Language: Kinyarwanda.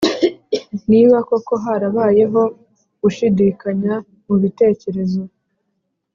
niba koko harabayeho gushidikanya mu bitekerezo